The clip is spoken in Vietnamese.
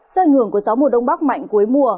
do ảnh hưởng của gió mùa đông bắc mạnh cuối mùa